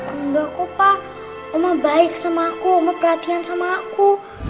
enggak opa oma baik sama aku oma perhatian sama aku